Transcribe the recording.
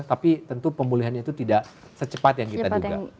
tapi tentu pemulihan itu tidak secepat yang kita duga